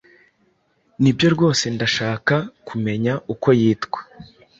Nibyo rwose ndashaka kumenya uko yitwa